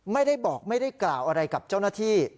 ไม่ได้บอกไม่ได้กล่าวอะไรกับเจ้าหน้าที่